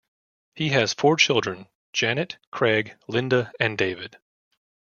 He has four children: Janet, Craig, Linda, and David.